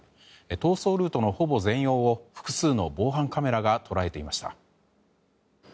逃走ルートのほぼ全容を、複数の防犯カメラが捉えていました。